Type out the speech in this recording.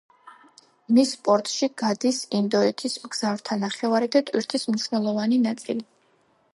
მის პორტში გადის ინდოეთის მგზავრთა ნახევარი და ტვირთის მნიშვნელოვანი ნაწილი.